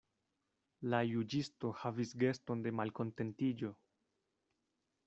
La juĝisto havis geston de malkontentiĝo.